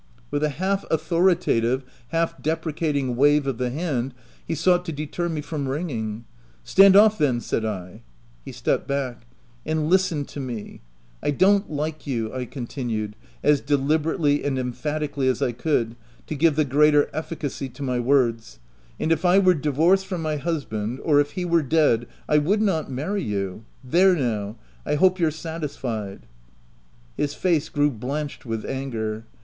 With a half authoritative, half de precating wave of the hand, he sought to deter me from ringing. ? Stand off, then !" said I. He stepped back —" And listen to me. — I don't like you/ 5 I continued, as deliberately and emphatically as I could, to give the greater efficacy to my words ;" and if I were divorced from my hus band — or if he were dead, I would not marry you. There now ! I hope you're satisfied." His face grew blanched with anger.